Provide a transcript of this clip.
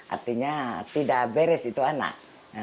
artinya tidak beres itu anak